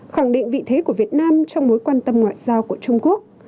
khẳng định vị thế của việt nam trong mối quan tâm ngoại giao của trung quốc